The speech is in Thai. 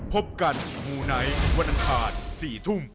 พบกันมูไนท์วันอังคาร๔ทุ่ม